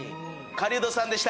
狩人さんでした。